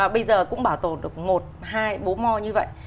bây giờ cũng bảo tồn được một hai bố mò như vậy